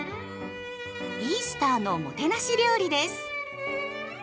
イースターのもてなし料理です。